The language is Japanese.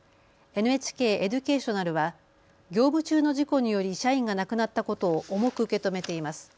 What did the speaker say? ＮＨＫエデュケーショナルは業務中の事故により社員が亡くなったことを重く受け止めています。